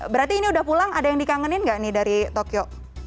berarti ini udah pulang ada yang dikangenin nggak nih dari tokyo